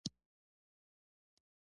ژبه د فکر خلاقیت څرګندوي.